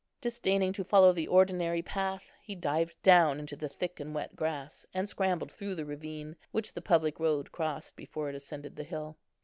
Disdaining to follow the ordinary path, he dived down into the thick and wet grass, and scrambled through the ravine, which the public road crossed before it ascended the hill.